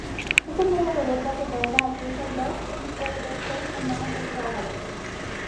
Esta nueva revuelta hace caer a Dusseldorf y Elberfeld en manos de los trabajadores.